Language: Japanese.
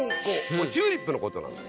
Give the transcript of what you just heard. これチューリップのことなんです。